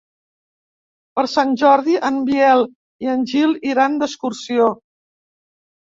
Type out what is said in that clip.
Per Sant Jordi en Biel i en Gil iran d'excursió.